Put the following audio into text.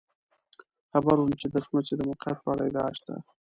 خبر وم چې د څمڅې د موقعیت په اړه ادعا شته.